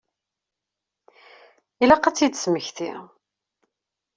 Ilaq ad tt-id-tesmekti.